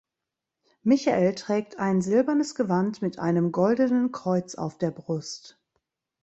Michael trägt ein silbernes Gewand mit einem goldenen Kreuz auf der Brust.